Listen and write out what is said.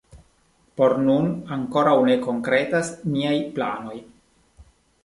Por nun ankoraŭ ne konkretas niaj planoj.